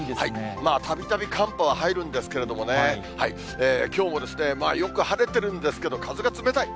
まあ、たびたび寒波は入るんですけどもね、きょうもよく晴れてるんですけど、風が冷たい。